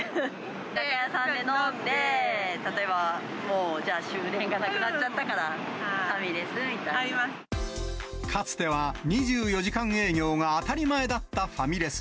居酒屋さんで飲んで、例えばもう、じゃあ終電がなくなっちゃったかかつては２４時間営業が当たり前だったファミレス。